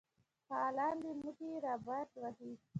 فعالان دي مټې رابډ وهي.